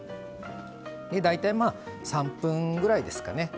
大体３分ぐらいですかね。